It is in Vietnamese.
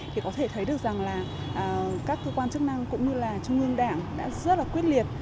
thì có thể thấy được rằng là các cơ quan chức năng cũng như là trung ương đảng đã rất là quyết liệt